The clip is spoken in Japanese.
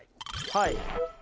はい。